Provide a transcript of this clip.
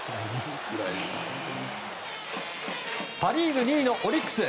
パ・リーグ２位のオリックス。